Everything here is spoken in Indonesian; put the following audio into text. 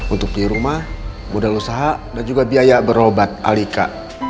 untuk dirumah modal usaha dan juga biaya berobat alika